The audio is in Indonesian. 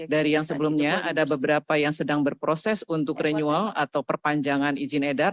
dari yang sebelumnya ada beberapa yang sedang berproses untuk renewal atau perpanjangan izin edar